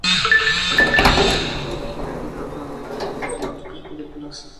En los años siguientes dirigirá y protagonizará múltiples películas.